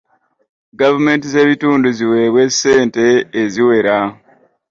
Gavumenti ez'ebitundu ziweebwe ssente eziwera.